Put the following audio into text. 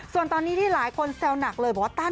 ส่วนตอนนี้ที่หลายคนแซวหนักเลย